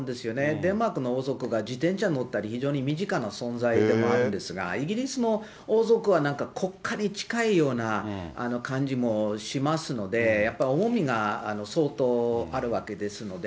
デンマークの王族が自転車乗ったり、非常に身近な存在でもあるんですが、イギリスの王族はなんか国家に近いような感じもしますので、やっぱり重みが相当あるわけですので。